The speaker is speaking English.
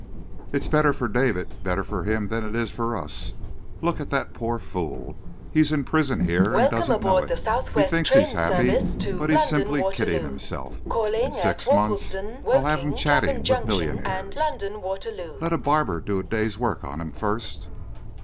"It's better for David; better for him than it is for us. Look at the poor fool! He's in prison here and doesn't know it. He thinks he's happy, but he's simply kidding himself. In six months I'll have him chatting with millionaires." "Let a barber do a day's work on him first."